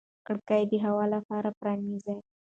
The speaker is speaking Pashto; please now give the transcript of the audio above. کړکۍ د هوا لپاره پرانیزئ.